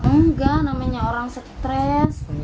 enggak namanya orang stres